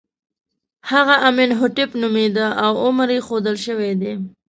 هغه امین هوټېپ نومېده او عمر یې ښودل شوی دی.